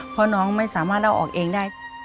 เพราะน้องไม่สามารถเอาออกเองได้